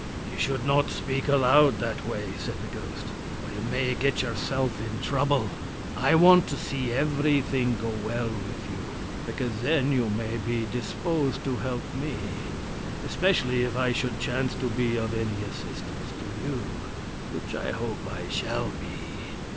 "You should not speak aloud that way," said the ghost, "or you may get yourself into trouble. I want to see everything go well with you, because then you may be disposed to help me, especially if I should chance to be of any assistance to you, which I hope I shall be."